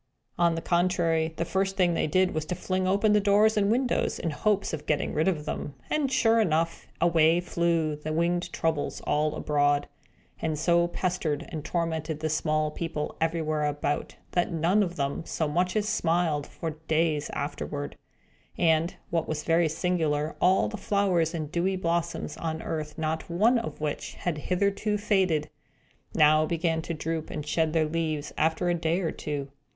On the contrary, the first thing that they did was to fling open the doors and windows, in hopes of getting rid of them; and, sure enough, away flew the winged Troubles all abroad, and so pestered and tormented the small people, everywhere about, that none of them so much as smiled for many days afterward. And, what was very singular, all the flowers and dewy blossoms on earth not one of which had hitherto faded, now began to droop and shed their leaves, after a day or two.